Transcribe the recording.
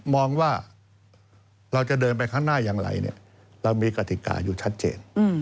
มองว่าเราจะเดินไปข้างหน้าอย่างไรเรามีกติกาอยู่ชัดเจน